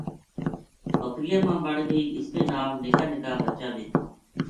بکریاں ما بَڑ گئی اس کے نال نکا نکا بچا بے تھا